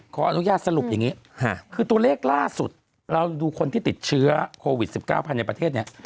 ขออนุญาตสรุปอย่างนี้คือตัวเลขล่าสุดเราดูคนที่ติดเชื้อโควิด๑๙ภายในประเทศเนี่ย